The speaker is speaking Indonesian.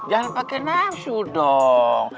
jangan pake nafsu dong